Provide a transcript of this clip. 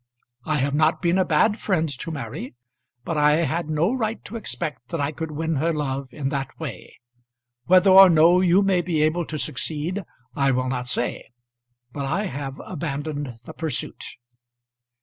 I have not been a bad friend to Mary, but I had no right to expect that I could win her love in that way. Whether or no you may be able to succeed, I will not say, but I have abandoned the pursuit."